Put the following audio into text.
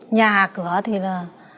nhà cửa thì là